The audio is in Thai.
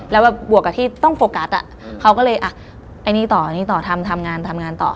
แล้วแบบบวกกับที่ต้องโฟกัสอะเค้าก็เลยอะไอ้นี่ต่อทำงานต่อ